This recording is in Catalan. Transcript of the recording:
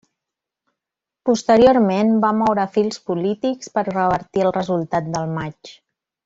Posteriorment va moure fils polítics per revertir el resultat del matx.